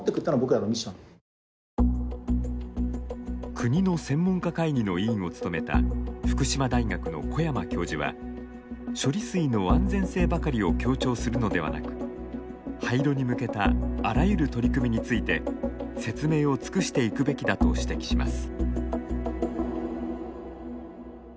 国の専門家会議の委員を務めた福島大学の小山教授は処理水の安全性ばかりを強調するのではなく廃炉に向けたあらゆる取り組みについて説明を尽くしていくべきだと指摘します。